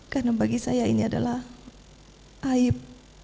karena bagi saya ini adalah air